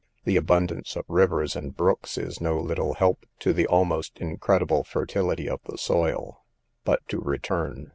The abundance of rivers and brooks is no little help to the almost incredible fertility of the soil. But to return.